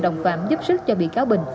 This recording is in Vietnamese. đồng phạm giúp sức cho bị cáo bình